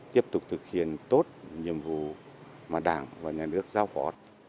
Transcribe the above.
tiếp tục thực hiện tốt nhiệm vụ mà đảng và nhà nước giao phó